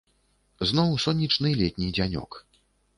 Зноў сонечны летні дзянёк.